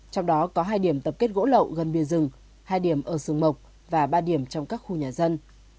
trong đó có hai điểm tập kết gỗ lậu gần biên rừng hai điểm ở sừng mộc và ba điểm trong các khu nhà dân